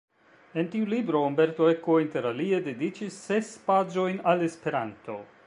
En tiu libro Umberto Eco inter alie dediĉis ses paĝojn al Esperanto.